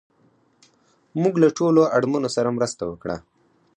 موږ له ټولو اړمنو سره مرسته وکړه